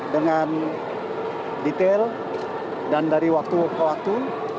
dengan detail dan dari waktu ke waktu